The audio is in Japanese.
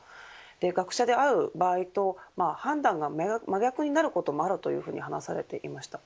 学者である場合と判断が真逆になることもあるというふうに話されていました。